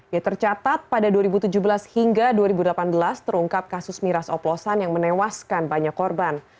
ya tercatat pada dua ribu tujuh belas hingga dua ribu delapan belas terungkap kasus miras oplosan yang menewaskan banyak korban